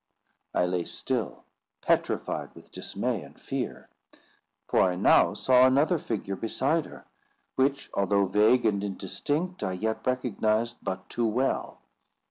I lay still, petrified with dismay and fear; for I now saw another figure beside her, which, although vague and indistinct, I yet recognised but too well.